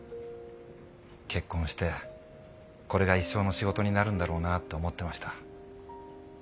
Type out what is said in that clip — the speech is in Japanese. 結婚してこれが一生の仕事になるんだろうなって思ってました。